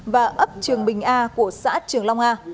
và ấp trường bình a của xã trường long a